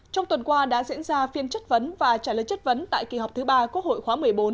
trong tuần qua đã diễn ra phiên chất vấn và trả lời chất vấn tại kỳ họp thứ ba quốc hội khóa một mươi bốn